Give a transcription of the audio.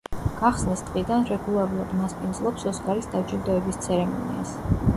გახსნის დღიდან რეგულარულად მასპინძლობს ოსკარის დაჯილდოების ცერემონიას.